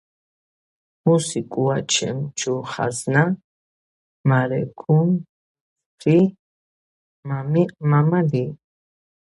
მუს ი კუ̂არემ ჩუ ხაზნა, მარე გუნ მჷცხი მა̄მა ლი.